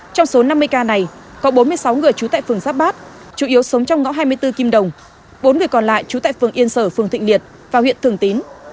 trong số năm mươi ca này có bốn mươi sáu người trú tại phường giáp bát chủ yếu sống trong ngõ hai mươi bốn kim đồng bốn người còn lại trú tại phường yên sở phường thịnh liệt và huyện thường tín